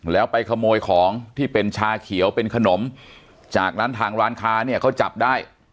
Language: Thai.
แล้วไปขโมยของที่เป็นชาเขียวเป็นขนมจากนั้นทางร้านค้าเนี่ยเขาจับได้